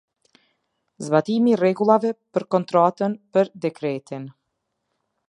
Zbatimi i rregullave për kontratën për dekretin.